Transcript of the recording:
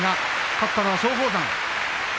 勝ったのは松鳳山です。